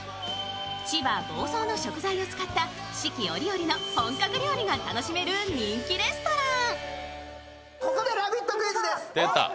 千葉・房総の食材を使った四季折々の本格料理が楽しめる人気レストラン。